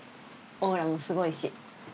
オーラもすごいし。